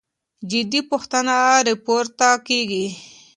جدي پوښتنې راپورته کېږي.